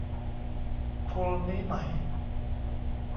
โคลนี้ไหม